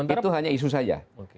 itu hanya isu saja